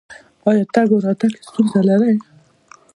ایا تګ راتګ کې ستونزه لرئ؟